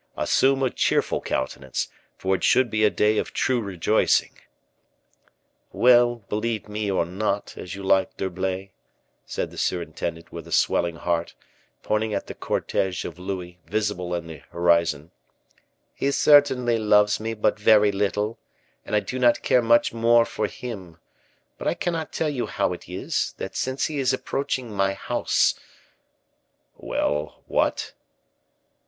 Assume a cheerful countenance, for it should be a day of true rejoicing." "Well, believe me or not, as you like, D'Herblay," said the surintendant, with a swelling heart, pointing at the cortege of Louis, visible in the horizon, "he certainly loves me but very little, and I do not care much more for him; but I cannot tell you how it is, that since he is approaching my house " "Well, what?"